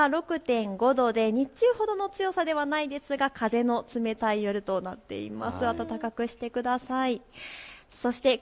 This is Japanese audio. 夜も気温が、日中ほどの寒さではないですが風の冷たい夜となっています。